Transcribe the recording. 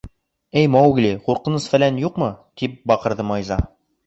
Эй, Маугли, ҡурҡыныс-фәлән юҡмы? — тип баҡырҙы Майза.